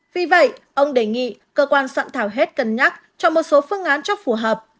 vì vậy ông đề nghị cơ quan soạn thảo hết cần nhắc chọn một số phương án cho phù hợp